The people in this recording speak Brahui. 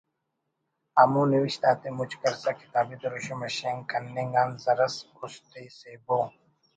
ہمو نوشت آتے مُچ کرسہ کتابی دروشم اٹ شینک کننگ آن زرس اُست ئے سیبو